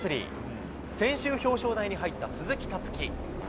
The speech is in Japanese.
先週表彰台に入った鈴木竜生。